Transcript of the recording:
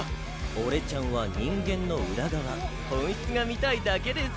俺ちゃんは人間の裏側本質が見たいだけです！